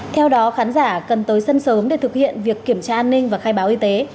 theo đó khán giả cần tới sân sớm để thực hiện việc kiểm tra an ninh và khai báo y tế